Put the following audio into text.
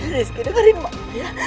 rizky dengerin mama ya